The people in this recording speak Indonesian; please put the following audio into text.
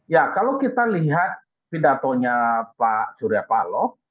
ya kalau kita lihat pidatonya pak surya paloh